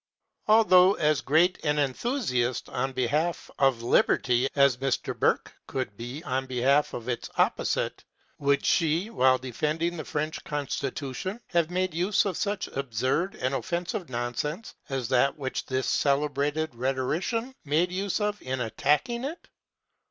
Although as great an enthusiast on behalf of liberty as Mr. Burke could be on behalf of its opposite, would she, while defending the French Constitution, have made use of such absurd and offensive nonsense as that which this celebrated rhetorician made use of in attacking it?